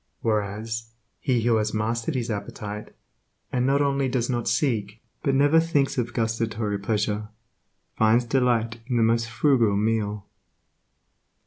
Whereas, he who has mastered his appetite, and not only does not seek, but never thinks of gustatory pleasure, finds delight in the most frugal meal.